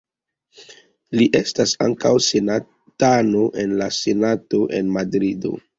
Li estas ankaŭ senatano en la Senato en Madrido.